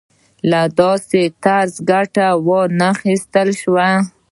له داسې طرزه ګټه وانخیستل شوه.